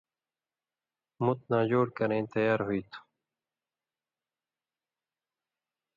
مُت ناجوڑ کرَیں تیار ہُوئ تُھو۔